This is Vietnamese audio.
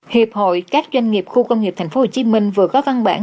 hiệp hội các doanh nghiệp khu công nghiệp tp hcm vừa có văn bản